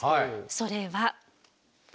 それは。